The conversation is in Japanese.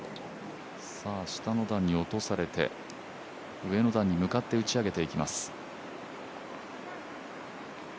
下の段に落とされて上の段に向かって、打ち上げていきます。